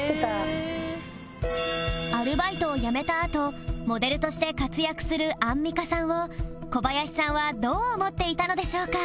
アルバイトを辞めたあとモデルとして活躍するアンミカさんを小林さんはどう思っていたのでしょうか？